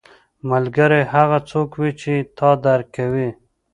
ملګری هغه څوک وي چې تا درک کوي